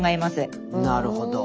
なるほど。